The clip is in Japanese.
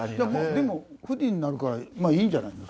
でも不利になるからまあいいんじゃないの？